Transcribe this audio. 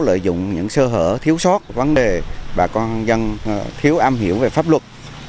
lợi dụng những sơ hở thiếu sót vấn đề bà con dân thiếu am hiểu về pháp luật